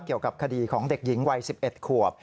เกี่ยวกับคดีของเด็กหญิงวัย๑๑ขวบ